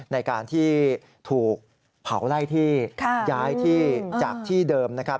ในการที่ถูกเผาไล่ที่ย้ายที่จากที่เดิมนะครับ